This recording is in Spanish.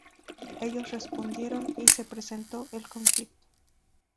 Ellos respondieron y se... presentó el conflicto.